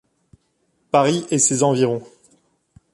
Paris et ses environs.